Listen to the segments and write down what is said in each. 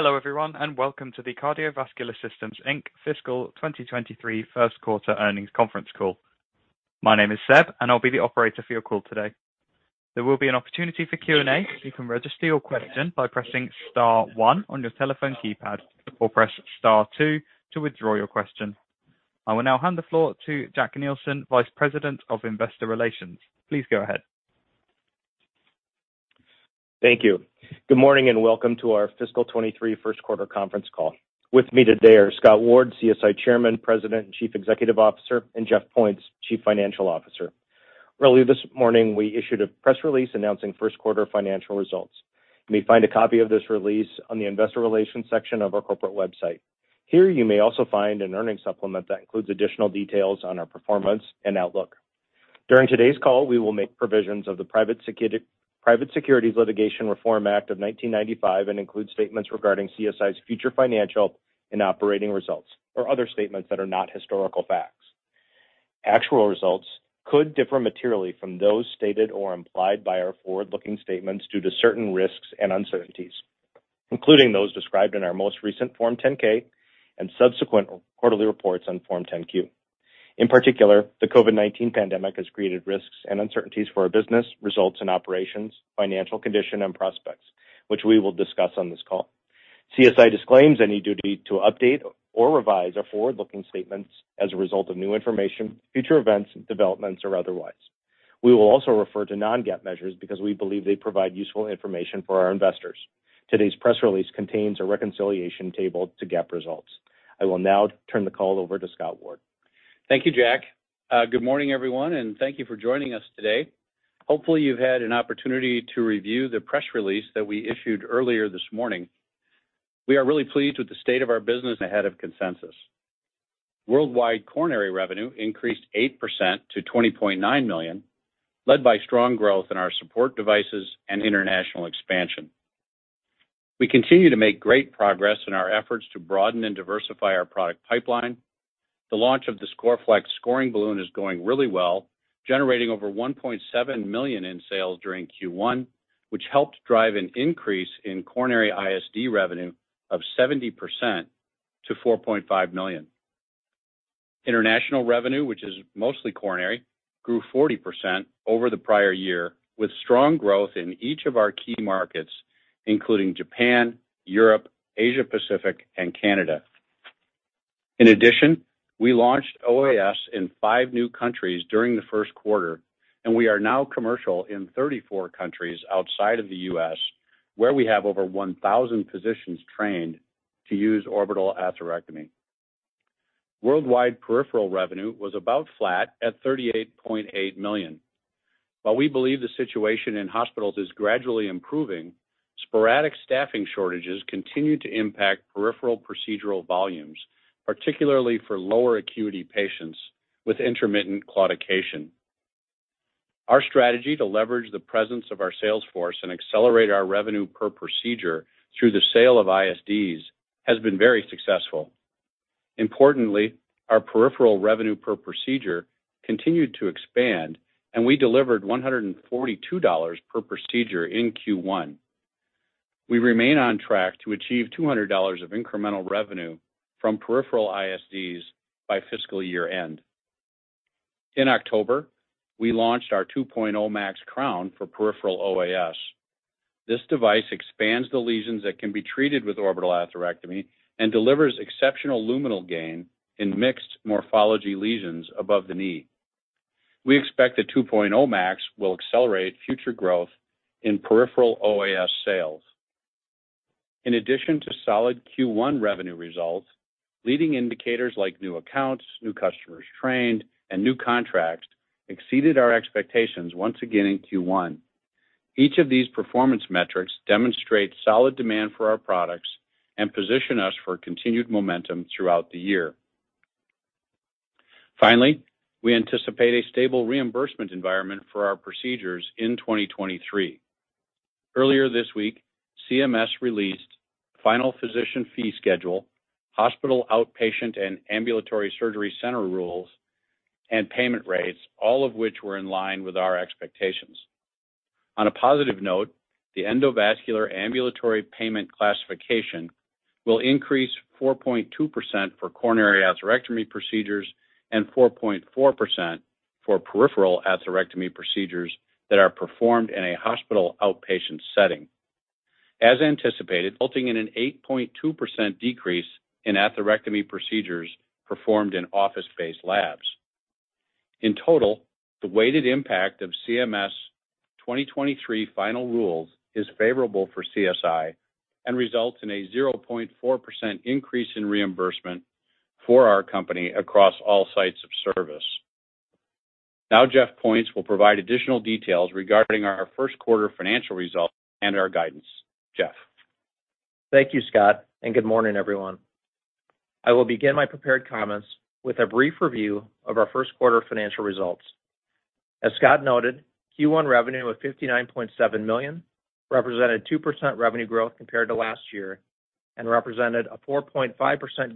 Hello, everyone, and welcome to the Cardiovascular Systems, Inc fiscal 2023 first quarter earnings conference call. My name is Seb, and I'll be the operator for your call today. There will be an opportunity for Q&A. You can register your question by pressing star one on your telephone keypad or press star two to withdraw your question. I will now hand the floor to Jack Nielsen, Vice President of Investor Relations. Please go ahead. Thank you. Good morning and welcome to our fiscal 2023 first quarter conference call. With me today are Scott Ward, CSI Chairman, President, and Chief Executive Officer, and Jeff Points, Chief Financial Officer. Earlier this morning, we issued a press release announcing first quarter financial results. You may find a copy of this release on the investor relations section of our corporate website. Here, you may also find an earnings supplement that includes additional details on our performance and outlook. During today's call, we will make provisions of the Private Securities Litigation Reform Act of 1995 and include statements regarding CSI's future financial and operating results or other statements that are not historical facts. Actual results could differ materially from those stated or implied by our forward-looking statements due to certain risks and uncertainties, including those described in our most recent Form 10-K and subsequent quarterly reports on Form 10-Q. In particular, the COVID-19 pandemic has created risks and uncertainties for our business results and operations, financial condition and prospects, which we will discuss on this call. CSI disclaims any duty to update or revise our forward-looking statements as a result of new information, future events, developments, or otherwise. We will also refer to non-GAAP measures because we believe they provide useful information for our investors. Today's press release contains a reconciliation table to GAAP results. I will now turn the call over to Scott Ward. Thank you, Jack. Good morning, everyone, and thank you for joining us today. Hopefully, you've had an opportunity to review the press release that we issued earlier this morning. We are really pleased with the state of our business ahead of consensus. Worldwide coronary revenue increased 8% to $20.9 million, led by strong growth in our support devices and international expansion. We continue to make great progress in our efforts to broaden and diversify our product pipeline. The launch of the Scoreflex scoring balloon is going really well, generating over $1.7 million in sales during Q1, which helped drive an increase in coronary ISD revenue of 70% to $4.5 million. International revenue, which is mostly coronary, grew 40% over the prior year, with strong growth in each of our key markets, including Japan, Europe, Asia Pacific, and Canada. In addition, we launched OAS in five new countries during the first quarter, and we are now commercial in 34 countries outside of the U.S., where we have over 1,000 physicians trained to use orbital atherectomy. Worldwide peripheral revenue was about flat at $38.8 million. While we believe the situation in hospitals is gradually improving, sporadic staffing shortages continue to impact peripheral procedural volumes, particularly for lower acuity patients with intermittent claudication. Our strategy to leverage the presence of our sales force and accelerate our revenue per procedure through the sale of ISDs has been very successful. Importantly, our peripheral revenue per procedure continued to expand, and we delivered $142 per procedure in Q1. We remain on track to achieve $200 of incremental revenue from peripheral ISDs by fiscal year-end. In October, we launched our 2.0 Max Crown for peripheral OAS. This device expands the lesions that can be treated with orbital atherectomy and delivers exceptional luminal gain in mixed morphology lesions above the knee. We expect the 2.0 Max will accelerate future growth in peripheral OAS sales. In addition to solid Q1 revenue results, leading indicators like new accounts, new customers trained, and new contracts exceeded our expectations once again in Q1. Each of these performance metrics demonstrate solid demand for our products and position us for continued momentum throughout the year. Finally, we anticipate a stable reimbursement environment for our procedures in 2023. Earlier this week, CMS released final Physician Fee Schedule, hospital outpatient and ambulatory surgery center rules and payment rates, all of which were in line with our expectations. On a positive note, the endovascular ambulatory payment classification will increase 4.2% for coronary atherectomy procedures and 4.4% for peripheral atherectomy procedures that are performed in a hospital outpatient setting. As anticipated, resulting in an 8.2% decrease in atherectomy procedures performed in office-based labs. In total, the weighted impact of CMS's 2023 final rule is favorable for CSI and results in a 0.4% increase in reimbursement for our company across all sites of service. Now Jeff Points will provide additional details regarding our first quarter financial results and our guidance. Jeff. Thank you, Scott, and good morning, everyone. I will begin my prepared comments with a brief review of our first quarter financial results. As Scott noted, Q1 revenue of $59.7 million represented 2% revenue growth compared to last year and represented a 4.5%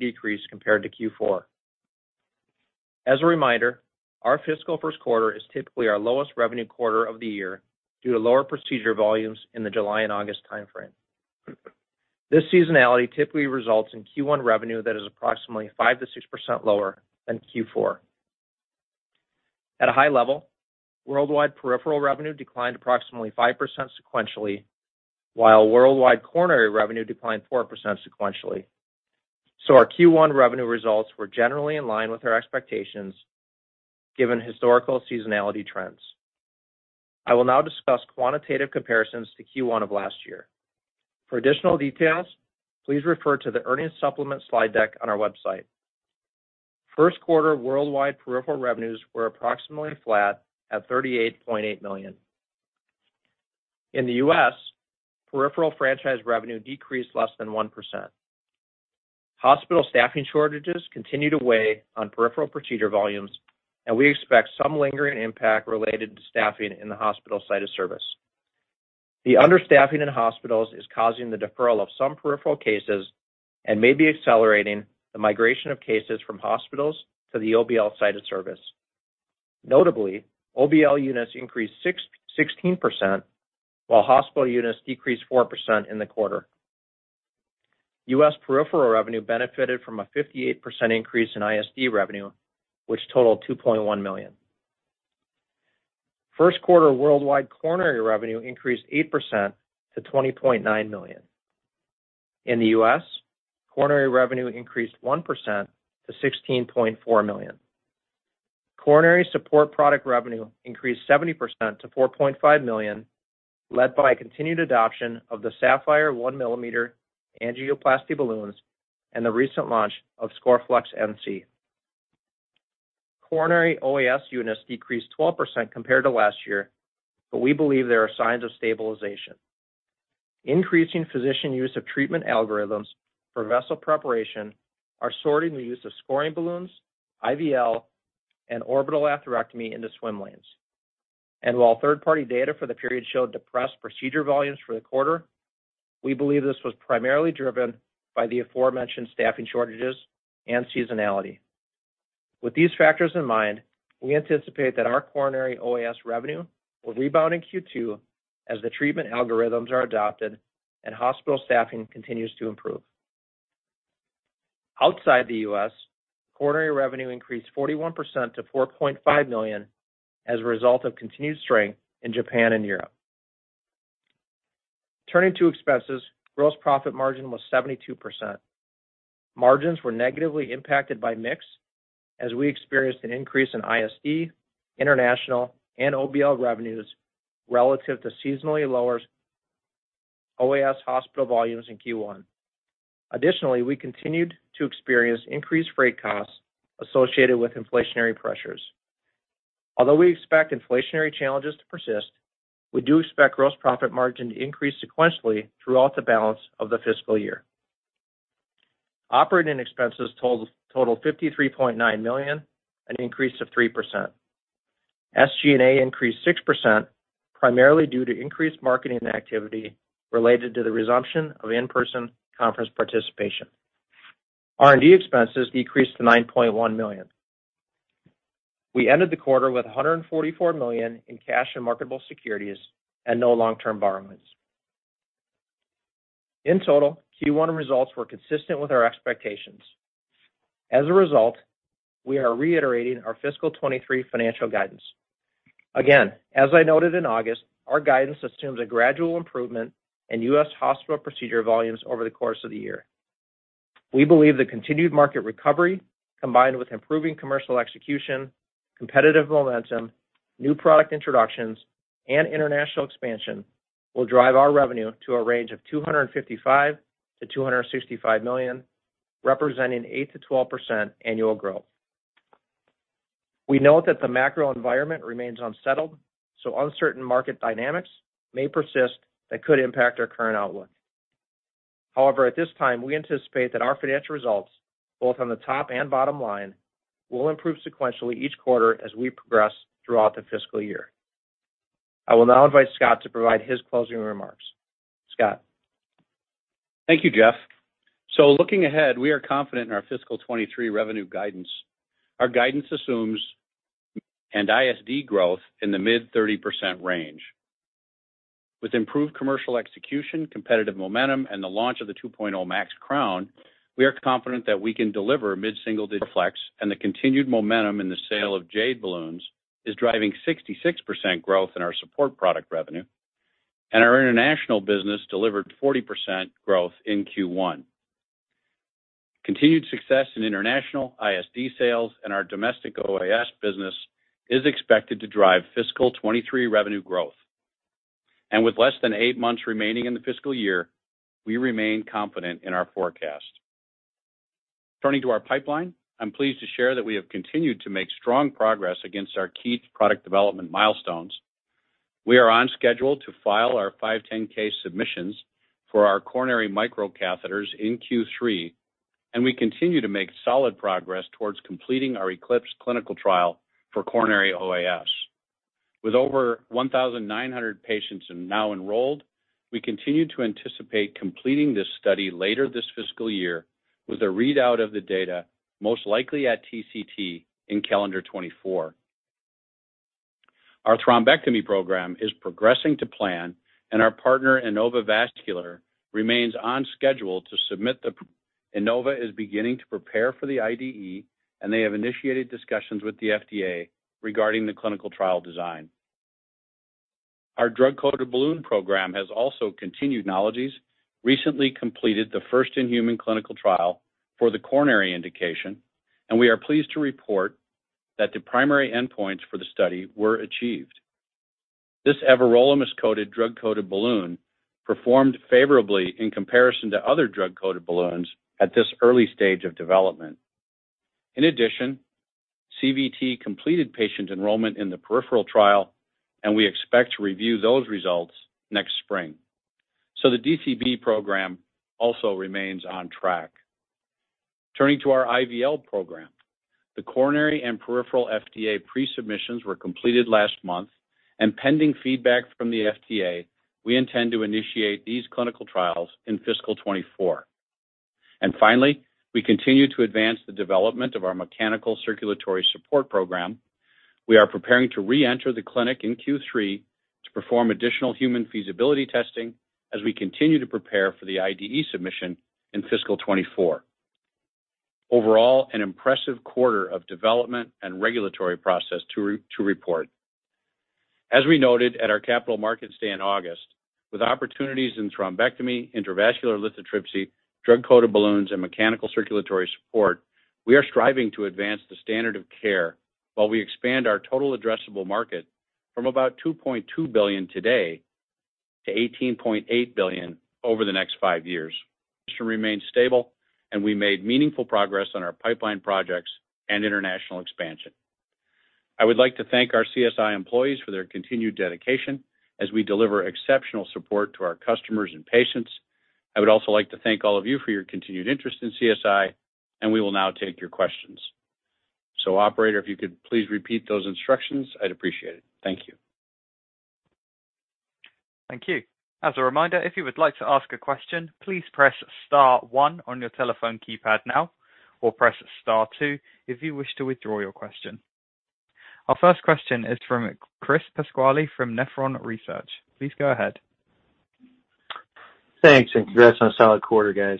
decrease compared to Q4. As a reminder, our fiscal first quarter is typically our lowest revenue quarter of the year due to lower procedure volumes in the July and August timeframe. This seasonality typically results in Q1 revenue that is approximately 5%-6% lower than Q4. At a high level, worldwide peripheral revenue declined approximately 5% sequentially, while worldwide coronary revenue declined 4% sequentially. Our Q1 revenue results were generally in line with our expectations given historical seasonality trends. I will now discuss quantitative comparisons to Q1 of last year. For additional details, please refer to the earnings supplement slide deck on our website. First quarter worldwide peripheral revenues were approximately flat at $38.8 million. In the U.S., peripheral franchise revenue decreased less than 1%. Hospital staffing shortages continued to weigh on peripheral procedure volumes, and we expect some lingering impact related to staffing in the hospital site of service. The understaffing in hospitals is causing the deferral of some peripheral cases and may be accelerating the migration of cases from hospitals to the OBL site of service. Notably, OBL units increased 16%, while hospital units decreased 4% in the quarter. U.S. peripheral revenue benefited from a 58% increase in ISD revenue, which totaled $2.1 million. First quarter worldwide coronary revenue increased 8% to $20.9 million. In the U.S., coronary revenue increased 1% to $16.4 million. Coronary support product revenue increased 70% to $4.5 million, led by continued adoption of the Sapphire 1 mm angioplasty balloons and the recent launch of Scoreflex NC. Coronary OAS units decreased 12% compared to last year, but we believe there are signs of stabilization. Increasing physician use of treatment algorithms for vessel preparation are sorting the use of scoring balloons, IVL, and orbital atherectomy into swim lanes. While third-party data for the period showed depressed procedure volumes for the quarter, we believe this was primarily driven by the aforementioned staffing shortages and seasonality. With these factors in mind, we anticipate that our coronary OAS revenue will rebound in Q2 as the treatment algorithms are adopted and hospital staffing continues to improve. Outside the U.S., coronary revenue increased 41% to $4.5 million as a result of continued strength in Japan and Europe. Turning to expenses, gross profit margin was 72%. Margins were negatively impacted by mix as we experienced an increase in ISD, international, and OBL revenues relative to seasonally lower OAS hospital volumes in Q1. Additionally, we continued to experience increased freight costs associated with inflationary pressures. Although we expect inflationary challenges to persist, we do expect gross profit margin to increase sequentially throughout the balance of the fiscal year. Operating expenses totaled $53.9 million, an increase of 3%. SG&A increased 6%, primarily due to increased marketing activity related to the resumption of in-person conference participation. R&D expenses decreased to $9.1 million. We ended the quarter with $144 million in cash and marketable securities and no long-term borrowings. In total, Q1 results were consistent with our expectations. As a result, we are reiterating our fiscal 2023 financial guidance. Again, as I noted in August, our guidance assumes a gradual improvement in U.S. hospital procedure volumes over the course of the year. We believe the continued market recovery, combined with improving commercial execution, competitive momentum, new product introductions, and international expansion will drive our revenue to a range of $255 million-$265 million, representing 8%-12% annual growth. We note that the macro environment remains unsettled, so uncertain market dynamics may persist that could impact our current outlook. However, at this time, we anticipate that our financial results, both on the top and bottom line, will improve sequentially each quarter as we progress throughout the fiscal year. I will now invite Scott to provide his closing remarks. Scott? Thank you, Jeff. Looking ahead, we are confident in our fiscal 2023 revenue guidance. Our guidance assumes an ISD growth in the mid-30% range. With improved commercial execution, competitive momentum, and the launch of the 2.0 Max Crown, we are confident that we can deliver mid-single-digit flex, and the continued momentum in the sale of Jade balloons is driving 66% growth in our support product revenue, and our international business delivered 40% growth in Q1. Continued success in international ISD sales and our domestic OAS business is expected to drive fiscal 2023 revenue growth. With less than eight months remaining in the fiscal year, we remain confident in our forecast. Turning to our pipeline, I'm pleased to share that we have continued to make strong progress against our key product development milestones. We are on schedule to file our 510(k) submissions for our coronary micro catheters in Q3, and we continue to make solid progress towards completing our ECLIPSE clinical trial for coronary OAS. With over 1,900 patients now enrolled, we continue to anticipate completing this study later this fiscal year with a readout of the data most likely at TCT in calendar 2024. Our thrombectomy program is progressing to plan and our partner, Innova Vascular, remains on schedule. Innova is beginning to prepare for the IDE, and they have initiated discussions with the FDA regarding the clinical trial design. Our drug-coated balloon program has also continued advances, recently completed the first-in-human clinical trial for the coronary indication, and we are pleased to report that the primary endpoints for the study were achieved. This everolimus-coated drug-coated balloon performed favorably in comparison to other drug-coated balloons at this early stage of development. In addition, CVT completed patient enrollment in the peripheral trial, and we expect to review those results next spring. The DCB program also remains on track. Turning to our IVL program. The coronary and peripheral FDA pre-submissions were completed last month, and pending feedback from the FDA, we intend to initiate these clinical trials in fiscal 2024. Finally, we continue to advance the development of our mechanical circulatory support program. We are preparing to reenter the clinic in Q3 to perform additional human feasibility testing as we continue to prepare for the IDE submission in fiscal 2024. Overall, an impressive quarter of development and regulatory process to report. As we noted at our Capital Markets Day in August, with opportunities in thrombectomy, intravascular lithotripsy, drug-coated balloons, and mechanical circulatory support, we are striving to advance the standard of care while we expand our total addressable market from about $2.2 billion today to $18.8 billion over the next five years. Should remain stable, and we made meaningful progress on our pipeline projects and international expansion. I would like to thank our CSI employees for their continued dedication as we deliver exceptional support to our customers and patients. I would also like to thank all of you for your continued interest in CSI, and we will now take your questions. Operator, if you could please repeat those instructions, I'd appreciate it. Thank you. Thank you. As a reminder, if you would like to ask a question, please press star one on your telephone keypad now or press star two if you wish to withdraw your question. Our first question is from Chris Pasquale from Nephron Research. Please go ahead. Thanks, and congrats on a solid quarter, guys.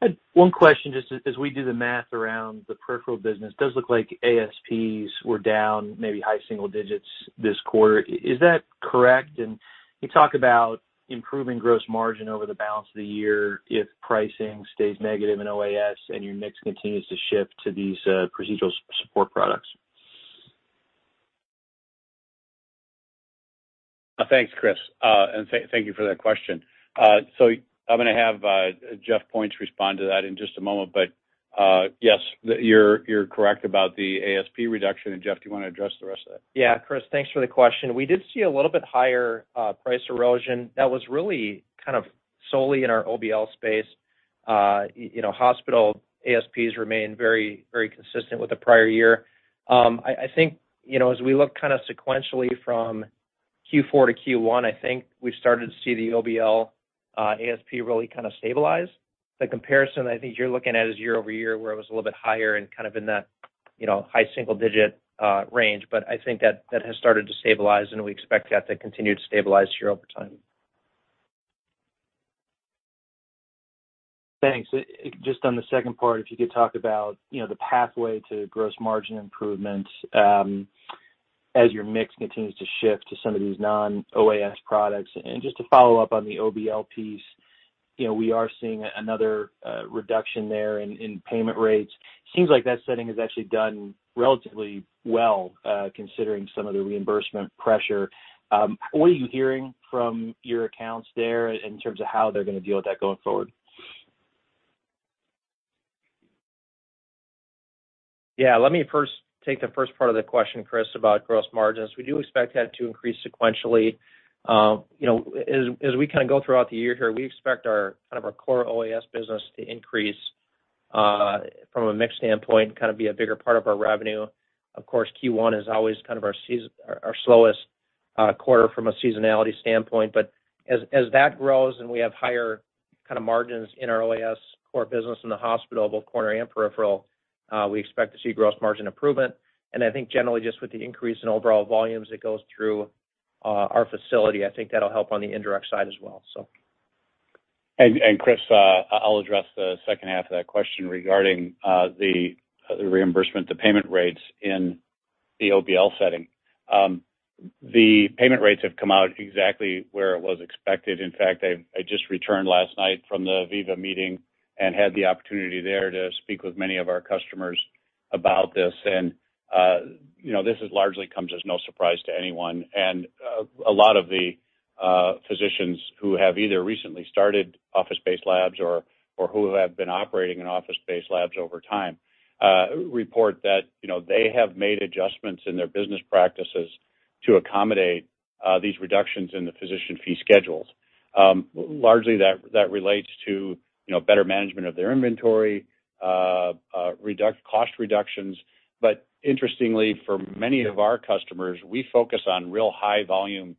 I had one question just as we do the math around the peripheral business. Does look like ASPs were down maybe high single digits this quarter. Is that correct? You talk about improving gross margin over the balance of the year if pricing stays negative in OAS and your mix continues to shift to these procedural support products. Thanks, Chris. Thank you for that question. I'm gonna have Jeff Points respond to that in just a moment, but yes, you're correct about the ASP reduction. Jeff, do you wanna address the rest of that? Yeah, Chris, thanks for the question. We did see a little bit higher price erosion that was really kind of solely in our OBL space. You know, hospital ASPs remain very, very consistent with the prior year. I think, you know, as we look kind of sequentially from Q4 to Q1, I think we've started to see the OBL ASP really kind of stabilize. The comparison I think you're looking at is year-over-year, where it was a little bit higher and kind of in that, you know, high single-digit range. But I think that has started to stabilize, and we expect that to continue to stabilize here over time. Thanks. Just on the second part, if you could talk about, you know, the pathway to gross margin improvements, as your mix continues to shift to some of these non-OAS products. Just to follow up on the OBL piece, you know, we are seeing another reduction there in payment rates. Seems like that setting has actually done relatively well, considering some of the reimbursement pressure. What are you hearing from your accounts there in terms of how they're going to deal with that going forward? Yeah. Let me first take the first part of the question, Chris, about gross margins. We do expect that to increase sequentially. You know, as we kind of go throughout the year here, we expect our core OAS business to increase from a mix standpoint, kind of be a bigger part of our revenue. Of course, Q1 is always kind of our slowest quarter from a seasonality standpoint. As that grows and we have higher kind of margins in our OAS core business in the hospital, both coronary and peripheral, we expect to see gross margin improvement. I think generally just with the increase in overall volumes that goes through our facility, I think that'll help on the indirect side as well, so. Chris, I'll address the second half of that question regarding the reimbursement, the payment rates in the OBL setting. The payment rates have come out exactly where it was expected. In fact, I just returned last night from the VIVA meeting and had the opportunity there to speak with many of our customers about this. You know, this largely comes as no surprise to anyone. A lot of the physicians who have either recently started office-based labs or who have been operating in office-based labs over time report that, you know, they have made adjustments in their business practices to accommodate these reductions in the Physician Fee Schedule. Largely that relates to, you know, better management of their inventory, cost reductions. Interestingly, for many of our customers, we focus on real high volume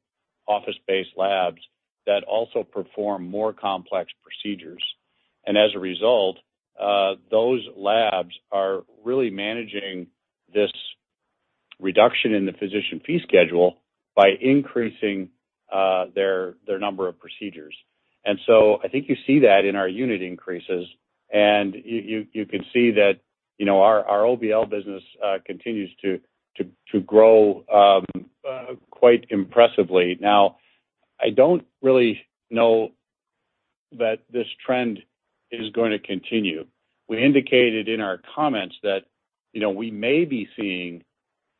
office-based labs that also perform more complex procedures. As a result, those labs are really managing this reduction in the Physician Fee Schedule by increasing their number of procedures. I think you see that in our unit increases. You can see that, you know, our OBL business continues to grow quite impressively. Now, I don't really know that this trend is going to continue. We indicated in our comments that, you know, we may be seeing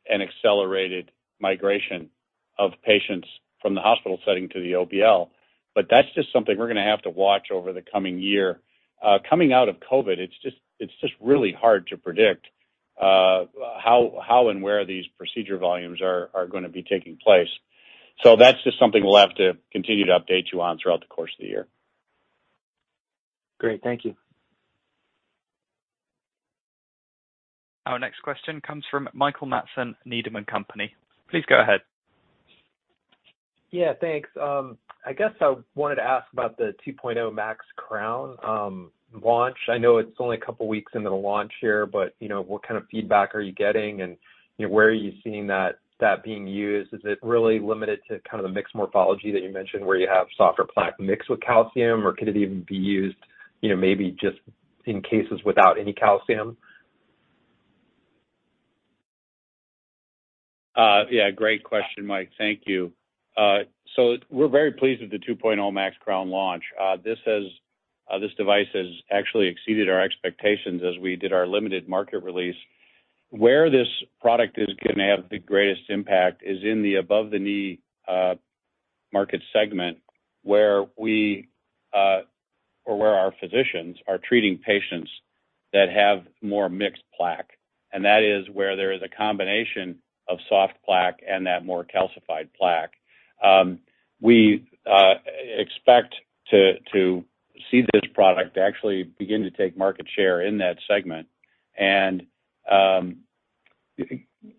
an accelerated migration of patients from the hospital setting to the OBL, but that's just something we're gonna have to watch over the coming year. Coming out of COVID, it's just really hard to predict how and where these procedure volumes are gonna be taking place. That's just something we'll have to continue to update you on throughout the course of the year. Great. Thank you. Our next question comes from Michael Matson, Needham & Company. Please go ahead. Yeah, thanks. I guess I wanted to ask about the 2.0 Max Crown launch. I know it's only a couple weeks into the launch here, but you know, what kind of feedback are you getting? You know, where are you seeing that being used? Is it really limited to kind of the mixed morphology that you mentioned, where you have softer plaque mixed with calcium? Or could it even be used, you know, maybe just in cases without any calcium? Yeah, great question, Mike. Thank you. We're very pleased with the 2.0 Max Crown launch. This device has actually exceeded our expectations as we did our limited market release. Where this product is gonna have the greatest impact is in the above-the-knee market segment, where our physicians are treating patients that have more mixed plaque, and that is where there is a combination of soft plaque and that more calcified plaque. We expect to see this product actually begin to take market share in that segment.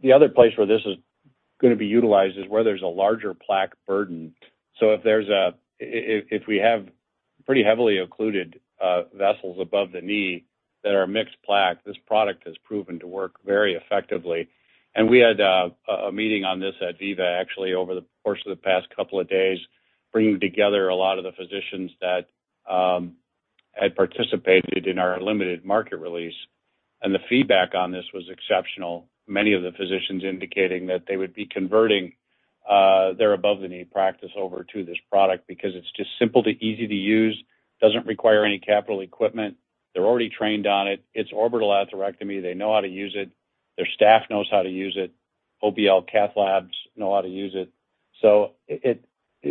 The other place where this is gonna be utilized is where there's a larger plaque burden. If we have pretty heavily occluded vessels above the knee that are mixed plaque, this product has proven to work very effectively. We had a meeting on this at VIVA actually over the course of the past couple of days, bringing together a lot of the physicians that had participated in our limited market release, and the feedback on this was exceptional. Many of the physicians indicating that they would be converting their above-the-knee practice over to this product because it's just easy to use, doesn't require any capital equipment. They're already trained on it. It's orbital atherectomy. They know how to use it. Their staff knows how to use it. OBL cath labs know how to use it.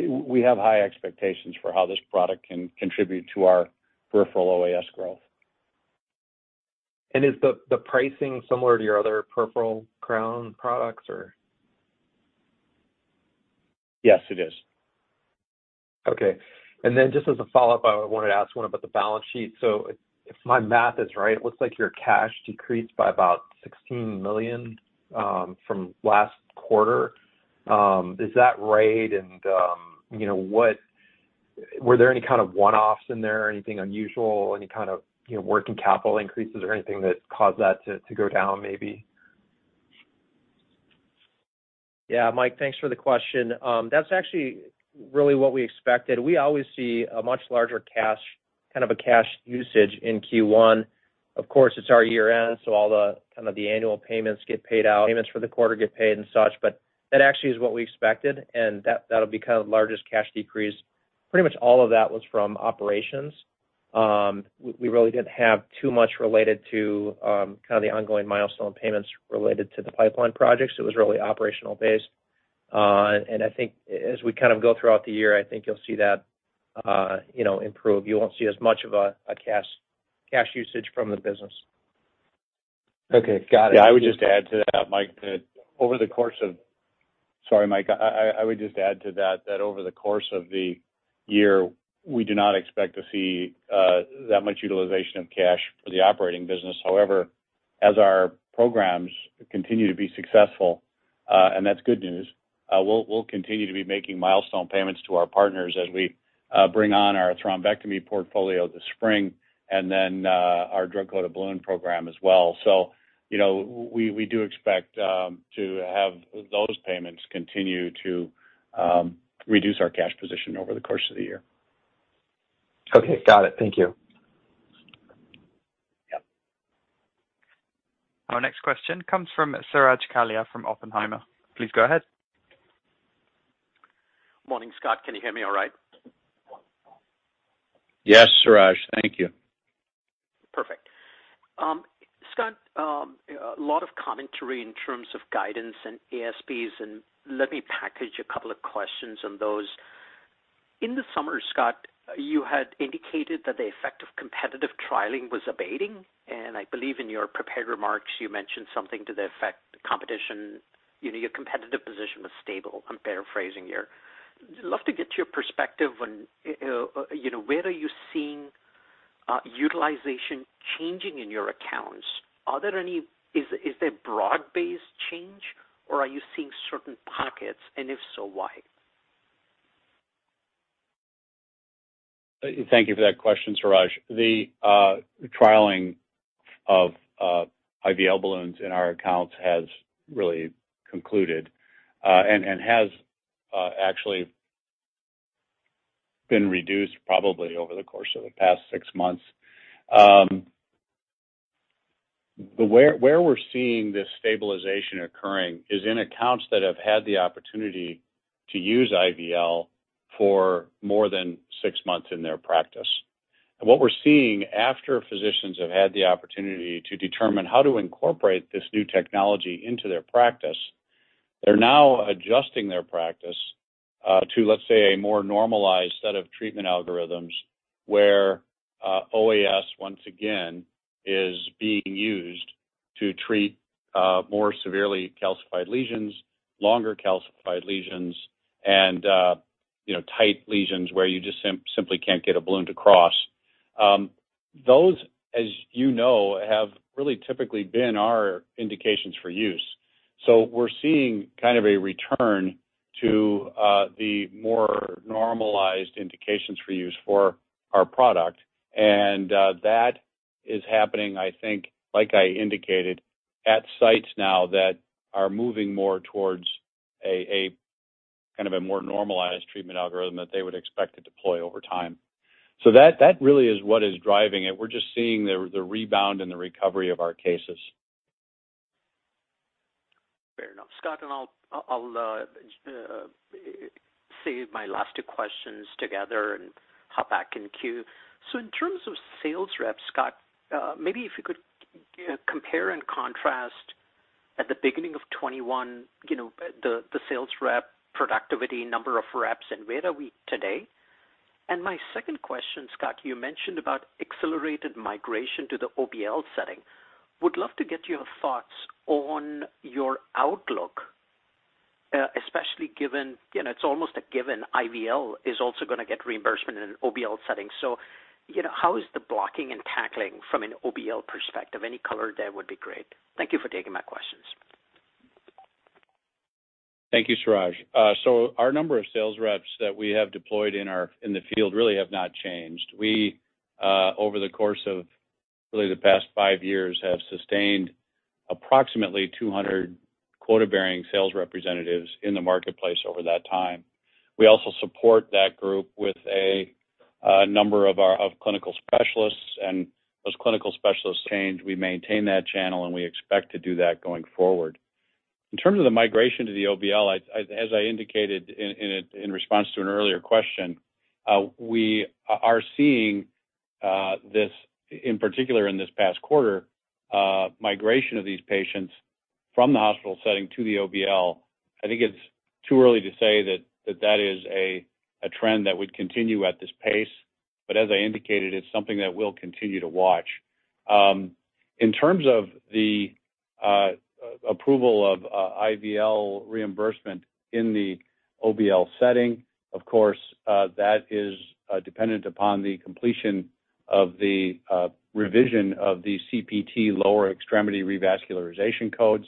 We have high expectations for how this product can contribute to our peripheral OAS growth. Is the pricing similar to your other peripheral crown products or? Yes, it is. Okay. Then just as a follow-up, I wanted to ask one about the balance sheet. If my math is right, it looks like your cash decreased by about $16 million from last quarter. Is that right? You know, what were there any kind of one-offs in there or anything unusual, any kind of, you know, working capital increases or anything that caused that to go down maybe? Yeah. Mike, thanks for the question. That's actually really what we expected. We always see a much larger cash, kind of a cash usage in Q1. Of course, it's our year-end, so all the kind of annual payments get paid out, payments for the quarter get paid and such. That actually is what we expected, and that'll be kind of largest cash decrease. Pretty much all of that was from operations. We really didn't have too much related to kind of the ongoing milestone payments related to the pipeline projects. It was really operationally based. I think as we kind of go throughout the year, I think you'll see that you know improve. You won't see as much of a cash usage from the business. Okay. Got it. I would just add to that, Mike, that over the course of the year, we do not expect to see that much utilization of cash for the operating business. However, as our programs continue to be successful, and that's good news, we'll continue to be making milestone payments to our partners as we bring on our thrombectomy portfolio this spring and then our drug-coated balloon program as well. You know, we do expect to have those payments continue to reduce our cash position over the course of the year. Okay. Got it. Thank you. Yeah. Our next question comes from Suraj Kalia from Oppenheimer. Please go ahead. Morning, Scott. Can you hear me all right? Yes, Suraj. Thank you. Perfect. Scott, a lot of commentary in terms of guidance and ASPs, and let me package a couple of questions on those. In the summer, Scott, you had indicated that the effect of competitive trialing was abating, and I believe in your prepared remarks, you mentioned something to the effect competition, you know, your competitive position was stable. I'm paraphrasing here. Love to get your perspective on, you know, where are you seeing utilization changing in your accounts? Is there broad-based change, or are you seeing certain pockets, and if so, why? Thank you for that question, Suraj. The trialing of IVL balloons in our accounts has really concluded and has actually been reduced probably over the course of the past six months. Where we're seeing this stabilization occurring is in accounts that have had the opportunity to use IVL for more than six months in their practice. What we're seeing after physicians have had the opportunity to determine how to incorporate this new technology into their practice, they're now adjusting their practice to, let's say, a more normalized set of treatment algorithms where OAS once again is being used to treat more severely calcified lesions, longer calcified lesions and you know, tight lesions where you just simply can't get a balloon to cross. Those, as you know, have really typically been our indications for use. We're seeing kind of a return to the more normalized indications for use for our product. That is happening, I think, like I indicated, at sites now that are moving more towards a kind of a more normalized treatment algorithm that they would expect to deploy over time. That really is what is driving it. We're just seeing the rebound and the recovery of our cases. Fair enough. Scott, I'll save my last two questions together and hop back in queue. In terms of sales reps, Scott, maybe if you could compare and contrast at the beginning of 2021, you know, the sales rep productivity, number of reps, and where are we today? My second question, Scott, you mentioned about accelerated migration to the OBL setting. Would love to get your thoughts on your outlook, especially given, you know, it's almost a given IVL is also going to get reimbursement in an OBL setting. You know, how is the blocking and tackling from an OBL perspective? Any color there would be great. Thank you for taking my questions. Thank you, Suraj. So our number of sales reps that we have deployed in the field really have not changed. We over the course of really the past five years, have sustained approximately 200 quota-bearing sales representatives in the marketplace over that time. We also support that group with a number of our clinical specialists, and those clinical specialists change. We maintain that channel, and we expect to do that going forward. In terms of the migration to the OBL, as I indicated in response to an earlier question, we are seeing this in particular in this past quarter, migration of these patients from the hospital setting to the OBL. I think it's too early to say that that is a trend that would continue at this pace. As I indicated, it's something that we'll continue to watch. In terms of the approval of IVL reimbursement in the OBL setting, of course, that is dependent upon the completion of the revision of the CPT lower extremity revascularization codes.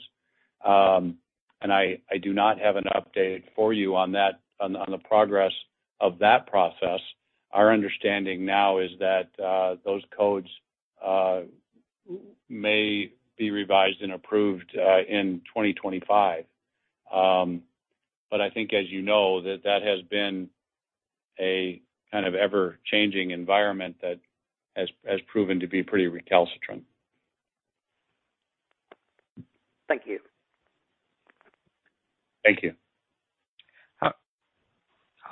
I do not have an update for you on the progress of that process. Our understanding now is that those codes may be revised and approved in 2025. I think as you know, that has been a kind of ever-changing environment that has proven to be pretty recalcitrant. Thank you. Thank you.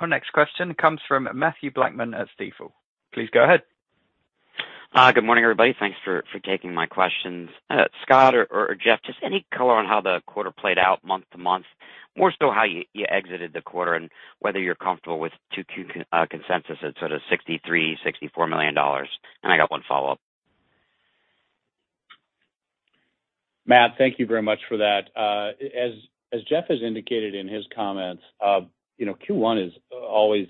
Our next question comes from Mathew Blackman at Stifel. Please go ahead. Good morning, everybody. Thanks for taking my questions. Scott or Jeff, just any color on how the quarter played out month-to-month. More so how you exited the quarter and whether you're comfortable with 2Q consensus at sort of $63 million-$64 million. I got one follow-up. Matt, thank you very much for that. As Jeff has indicated in his comments, you know, Q1 is always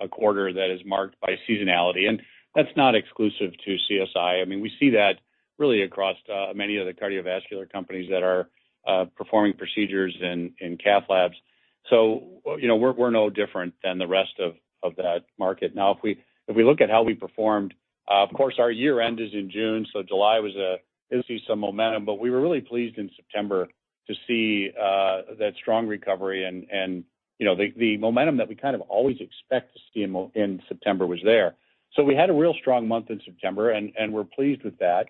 a quarter that is marked by seasonality, and that's not exclusive to CSI. I mean, we see that really across many of the cardiovascular companies that are performing procedures in cath labs. You know, we're no different than the rest of that market. Now, if we look at how we performed, of course our year end is in June, so July, we saw some momentum. We were really pleased in September to see that strong recovery and, you know, the momentum that we kind of always expect to see in September was there. We had a real strong month in September and we're pleased with that.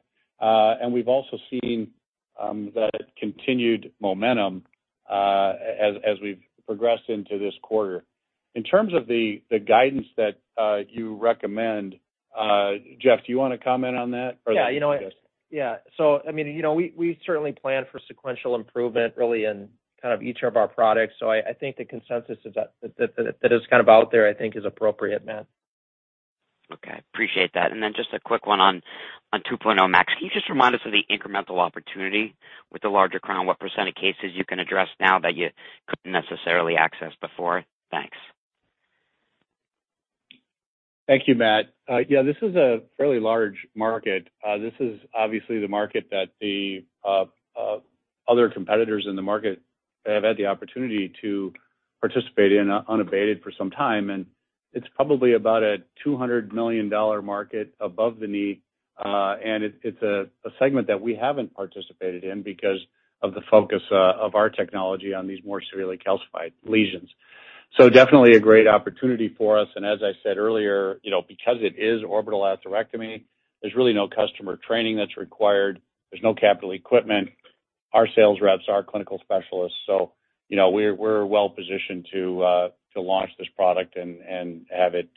We've also seen that continued momentum as we've progressed into this quarter. In terms of the guidance that you recommend. Jeff, do you want to comment on that or- Yeah. You know what? Yeah. I mean, you know, we certainly plan for sequential improvement really in kind of each of our products. I think the consensus is that is kind of out there, I think, is appropriate, Matt. Okay, appreciate that. Just a quick one on 2.0 Max. Can you just remind us of the incremental opportunity with the larger crown, what percent of cases you can address now that you couldn't necessarily access before? Thanks. Thank you, Matthew. Yeah, this is a fairly large market. This is obviously the market that the other competitors in the market have had the opportunity to participate in unabated for some time, and it's probably about a $200 million market above the knee, and it's a segment that we haven't participated in because of the focus of our technology on these more severely calcified lesions. So definitely a great opportunity for us. As I said earlier, you know, because it is orbital atherectomy, there's really no customer training that's required. There's no capital equipment. Our sales reps are clinical specialists, so, you know, we're well-positioned to launch this product and have it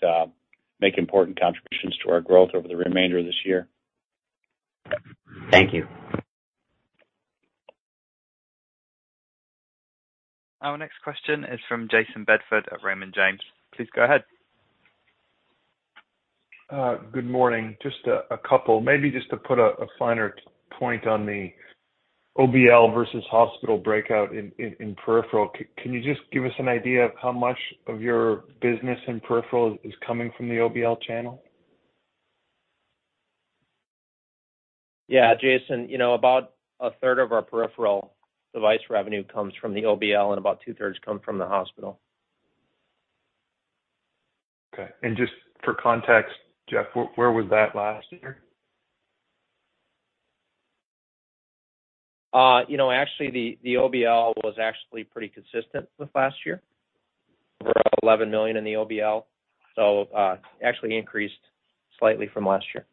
make important contributions to our growth over the remainder of this year. Thank you. Our next question is from Jayson Bedford of Raymond James. Please go ahead. Good morning. Maybe just to put a finer point on the OBL versus hospital breakout in peripheral. Can you just give us an idea of how much of your business in peripheral is coming from the OBL channel? Yeah, Jayson, you know, about 1/3 of our peripheral device revenue comes from the OBL, and about 2/3 come from the hospital. Okay. Just for context, Jeff, where was that last year? You know, actually, the OBL was actually pretty consistent with last year. We're at $11 million in the OBL, so actually increased slightly from last year.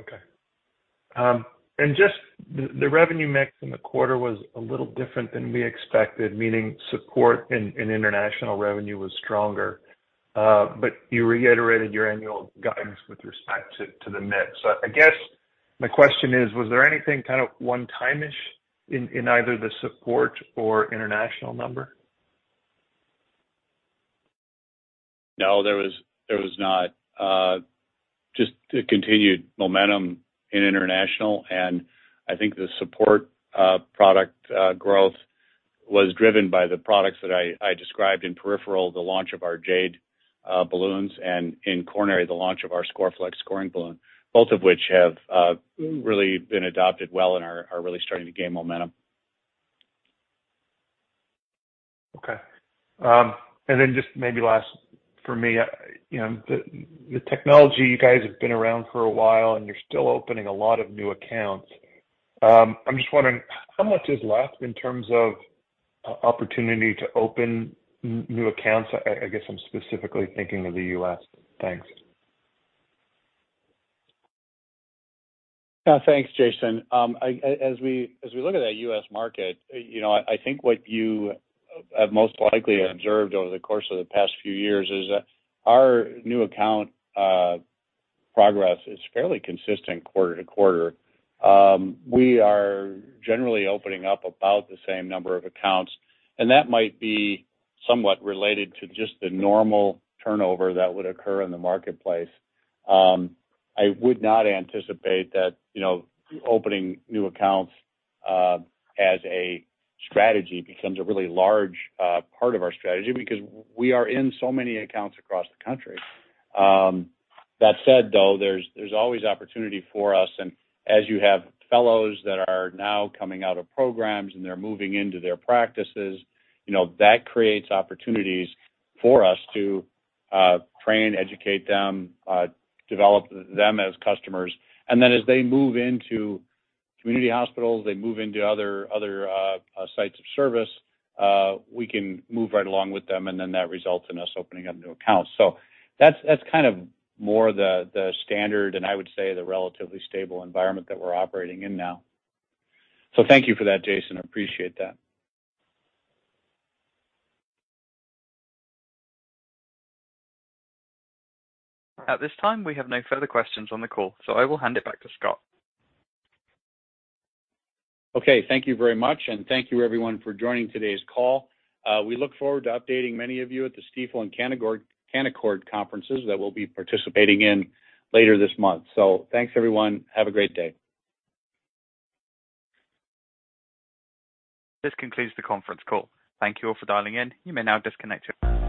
Okay. Just the revenue mix in the quarter was a little different than we expected, meaning support in international revenue was stronger. You reiterated your annual guidance with respect to the mix. I guess my question is, was there anything kind of one-time-ish in either the support or international number? No, there was not. Just the continued momentum in international, and I think the support product growth was driven by the products that I described in peripheral, the launch of our Jade balloons, and in coronary, the launch of our Scoreflex scoring balloon, both of which have really been adopted well and are really starting to gain momentum. Okay. Just maybe last for me, you know, the technology you guys have been around for a while, and you're still opening a lot of new accounts. I'm just wondering how much is left in terms of opportunity to open new accounts. I guess I'm specifically thinking of the U.S. Thanks. Thanks, Jayson. As we look at that U.S. market, you know, I think what you have most likely observed over the course of the past few years is that our new account progress is fairly consistent quarter to quarter. We are generally opening up about the same number of accounts, and that might be somewhat related to just the normal turnover that would occur in the marketplace. I would not anticipate that, you know, opening new accounts as a strategy becomes a really large part of our strategy because we are in so many accounts across the country. That said, though, there's always opportunity for us. As you have fellows that are now coming out of programs, and they're moving into their practices, you know, that creates opportunities for us to train, educate them, develop them as customers. Then as they move into community hospitals, they move into other sites of service, we can move right along with them, and then that results in us opening up new accounts. That's kind of more the standard, and I would say the relatively stable environment that we're operating in now. Thank you for that, Jayson. I appreciate that. At this time, we have no further questions on the call, so I will hand it back to Scott. Okay. Thank you very much, and thank you everyone for joining today's call. We look forward to updating many of you at the Stifel and Canaccord conferences that we'll be participating in later this month. Thanks, everyone. Have a great day. This concludes the conference call. Thank you all for dialing in. You may now disconnect your-